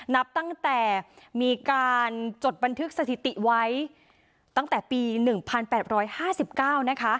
นับตั้งแต่มีการจดบันทึกสถิติไว้ตั้งแต่ปี๑๘๕๙นะคะ